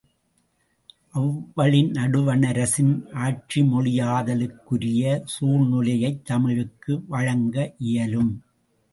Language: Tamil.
அவ்வழி நடுவணரசின் ஆட்சிமொழியாதலுக்குரிய சூழ்நிலையைத் தமிழுக்கு வழங்க இயலும்.